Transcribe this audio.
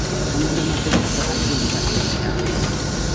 hamwe n amategeko agenga imiryango